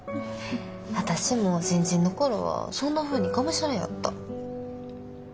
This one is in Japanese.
私も新人の頃はそんなふうにがむしゃらやった。